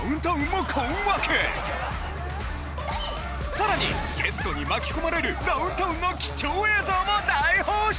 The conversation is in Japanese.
さらにゲストに巻き込まれるダウンタウンの貴重映像も大放出！